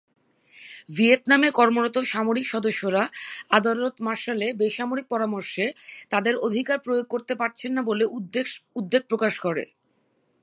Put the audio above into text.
ভিয়েতনামে কর্মরত সামরিক সদস্যরা আদালত-মার্শালে বেসামরিক পরামর্শে তাদের অধিকার প্রয়োগ করতে পারছেন না বলে উদ্বেগ প্রকাশ করে।